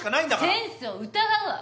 センスを疑うわ！